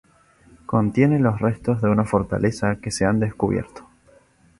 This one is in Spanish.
Contiene los restos de una fortaleza que se han descubierto.